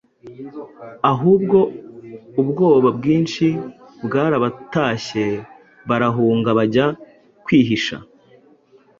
ahubwo ubwoba bwinshi bwarabatashye barahunga bajya kwihisha